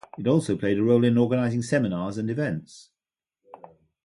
It also played its role in organising seminars and events.